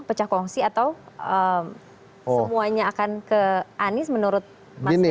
pecah kongsi atau semuanya akan ke anies menurut mas budi